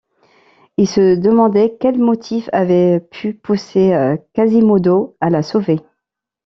Il se demandait quel motif avait pu pousser Quasimodo à la sauver.